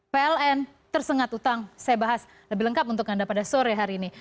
pln tersengat utang saya bahas lebih lengkap untuk anda pada sore hari ini